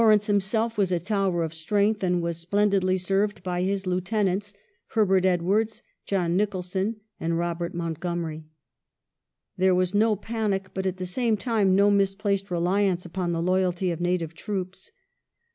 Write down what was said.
Lawrence himself was a tower of strength, and was splen didly served by his lieutenants Herbert Edwardes, John Nicholson, and Robert Montgomery. There was no panic, but at the same time no misplaced reliance upon the loyalty of native troops.